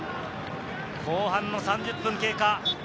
後半の３０分経過。